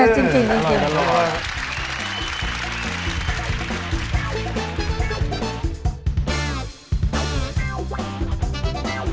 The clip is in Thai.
จริง